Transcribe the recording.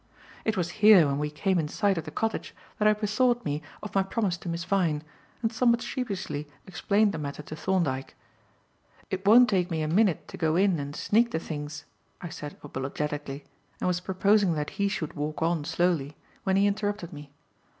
It was here when we came in sight of the cottage that I bethought me of my promise to Miss Vyne, and somewhat sheepishly explained the matter to Thorndyke. "It won't take me a minute to go in and sneak the things," I said apologetically, and was proposing that he should walk on slowly, when he interrupted me.